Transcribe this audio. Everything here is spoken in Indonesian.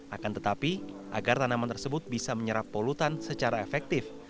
akan tetapi agar tanaman tersebut bisa menyerap polutan secara efektif